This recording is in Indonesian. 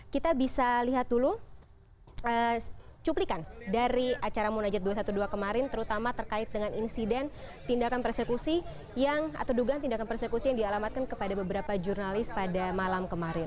kita bisa lihat dulu cuplikan dari acara munajat dua ratus dua belas kemarin terutama terkait dengan insiden tindakan persekusi yang atau dugaan tindakan persekusi yang dialamatkan kepada beberapa jurnalis pada malam kemarin